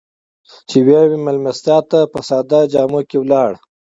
چې يوې مېلمستیا ته په ساده جامو کې لاړ.